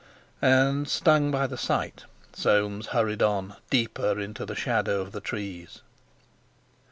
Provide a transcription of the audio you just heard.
And, stung by the sight, Soames hurried on deeper into the shadow of the trees.